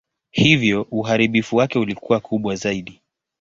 Hivyo uharibifu wake ulikuwa kubwa zaidi.